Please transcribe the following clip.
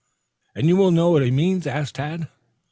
"And you will know what he means?" asked Tad.